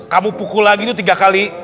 kamu pukul lagi itu tiga kali